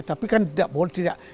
tapi kan tidak boleh